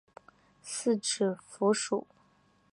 四指蝠属。